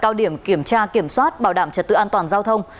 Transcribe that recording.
cao điểm kiểm tra kiểm soát bảo đảm trật tự an toàn giao thông